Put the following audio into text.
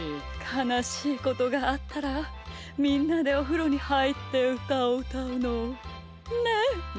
かなしいことがあったらみんなでおふろにはいってうたをうたうの！ね？ね！